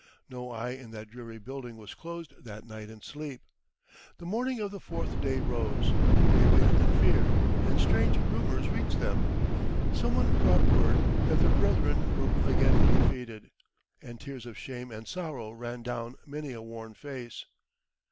No eye in that dreary building was closed that night in sleep. The morning of the fourth day rose. They waited in fear, and strange rumours reached them. Some one brought word that their brethren were again defeated, and tears of shame and sorrow ran down many a worn face.